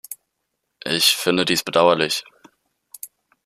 Ich finde dies bedauerlich.